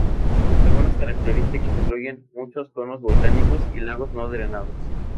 Algunas características incluyen muchos conos volcánicos y lagos no drenados.